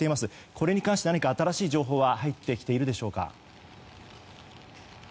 これに関して、何か新しい情報は入ってきているでしょうか。